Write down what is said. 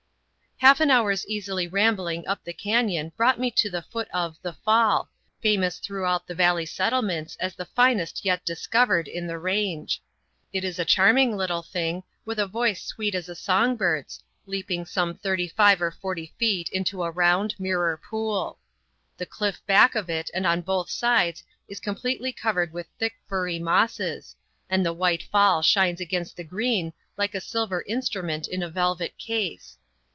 Half an hour's easy rambling up the cañon brought me to the foot of "The Fall," famous throughout the valley settlements as the finest yet discovered in the range. It is a charming little thing, with a voice sweet as a songbird's, leaping some thirty five or forty feet into a round, mirror pool. The cliff back of it and on both sides is completely covered with thick, furry mosses, and the white fall shines against the green like a silver instrument in a velvet case.